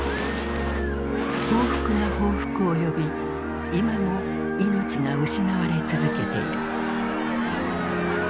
報復が報復を呼び今も命が失われ続けている。